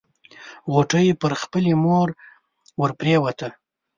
غوټۍ پر خپلې مور ورپريوته.